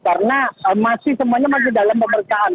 karena masih semuanya masih dalam pemerkaan